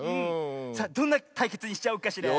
さあどんなたいけつにしちゃおうかしら。